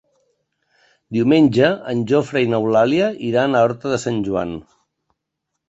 Diumenge en Jofre i n'Eulàlia iran a Horta de Sant Joan.